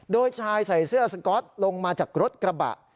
โดยชายใส่เสื้อสก๊อตลงมาจากรถกระบะ